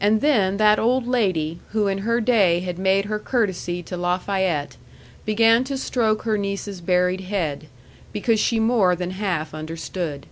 And then that old lady, who in her day had made her courtesy to Lafayette, began to stroke her niece's buried head, because she more than half understood.